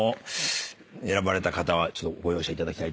選ばれた方はご容赦いただきたいと思います。